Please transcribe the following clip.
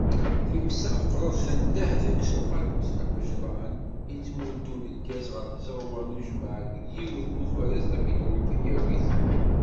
Times-a meqqret, tendeh-d seg uqadus agejdan i yettmuddun lgaz ɣer tzeɣwa n ujmaɛ deg yiwet n ufares tapitrukimyawit.